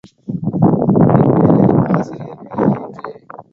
என் வேலை ஆசிரியர் வேலையாயிற்றே.